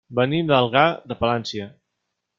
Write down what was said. Venim d'Algar de Palància.